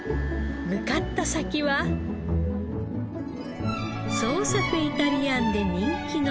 向かった先は創作イタリアンで人気の店。